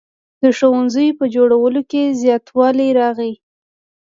د ښوونځیو په جوړولو کې زیاتوالی راغی.